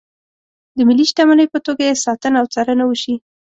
د ملي شتمنۍ په توګه یې ساتنه او څارنه وشي.